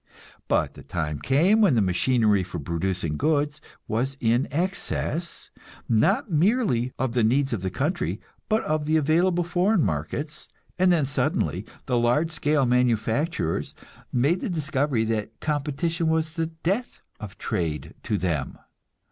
But the time came when the machinery for producing goods was in excess, not merely of the needs of the country, but of the available foreign markets, and then suddenly the large scale manufacturers made the discovery that competition was the death of trade to them.